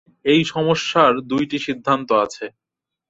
এই সমস্যার দুইটি সিদ্ধান্ত আছে।